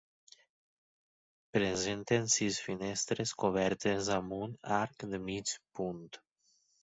Presenten sis finestres cobertes amb un arc de mig punt.